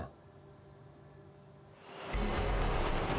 kepala kuhp mencari penyakit yang menyebabkan kematian anak anak